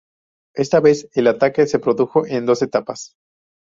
Esta vez, el ataque se produjo en dos etapas.